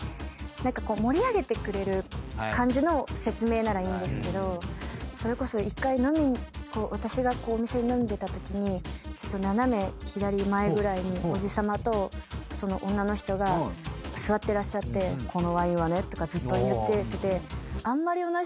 盛り上げてくれる感じの説明ならいいんですけどそれこそ１回飲みに私がお店で飲んでたときに斜め左前ぐらいにおじさまと女の人が座ってらっしゃって「このワインはね」とかずっと言ってて。